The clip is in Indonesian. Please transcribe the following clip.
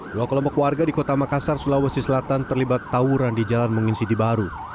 dua kelompok warga di kota makassar sulawesi selatan terlibat tawuran di jalan menginsidi baru